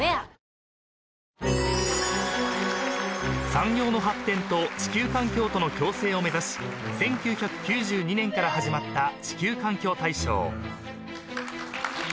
［産業の発展と地球環境との共生を目指し１９９２年から始まった地球環境大賞］